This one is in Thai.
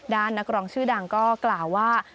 นักร้องชื่อดังก็กล่าวว่า